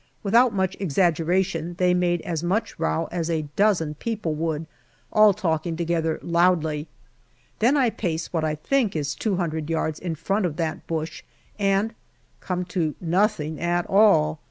Without much exaggeration they made as much row as a dozen people would, all talking together loudly Then I pace what I think is two hundred yards in front of that bush and come to nothing at all.